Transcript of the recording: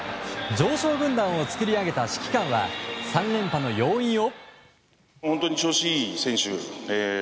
常勝軍団を作り上げた指揮官は３連覇の要因を。